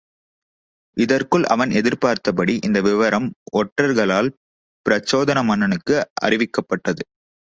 இதற்குள் அவன் எதிர் பார்த்தபடி இந்த விவரம் ஒற்றர்களால் பிரச்சோதன மன்னனுக்கும் அறிவிக்கப்பட்டது.